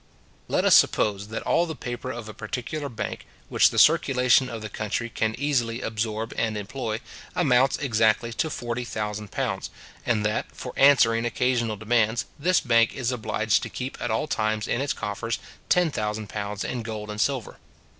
Let us suppose that all the paper of a particular bank, which the circulation of the country can easily absorb and employ, amounts exactly to forty thousand pounds, and that, for answering occasional demands, this bank is obliged to keep at all times in its coffers ten thousand pounds in gold and silver.